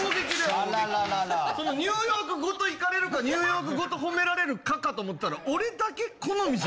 ・あららら・そのニューヨークごと引かれるかニューヨークごと褒められるかかと思ったら。